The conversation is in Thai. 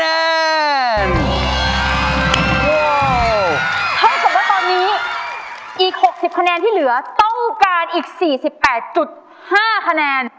ถ้าเกิดว่าตอนนี้อีก๖๐คะแนนที่เหลือต้องการอีก๔๘๕คะแนน